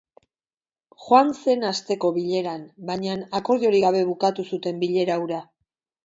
Joan zen asteko bileran, baina, akordiorik gabe bukatu zuten bilera hura.